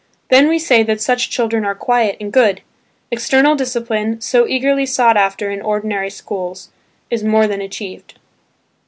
Then we say that such children are quiet and good; external discipline, so eagerly sought after in ordinary schools is more than achieved.